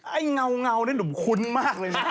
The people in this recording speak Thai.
ไอ้เงานี่หนุ่มคุ้นมากเลยนะ